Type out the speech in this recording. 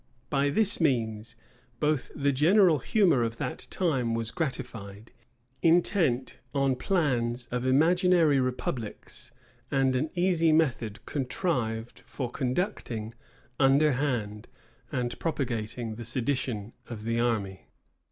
[*] By this means, both the general humor of that time was gratified, intent on plans of imaginary republics; and an easy method contrived for conducting, underhand, and propagating the sedition of the army.